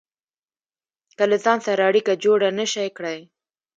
که له ځان سره اړيکه جوړه نشئ کړای.